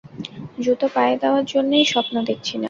জুতো পায়ে দেওয়ার জন্যেই স্বপ্ন দেখছি না।